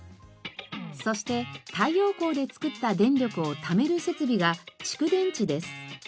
そして太陽光でつくった電力をためる設備が蓄電池です。